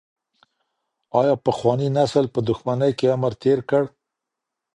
آیا پخواني نسل په دښمنۍ کي عمر تېر کړ؟